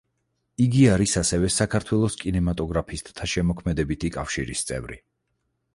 იგი არის ასევე საქართველოს კინემატოგრაფისტთა შემოქმედებითი კავშირის წევრი.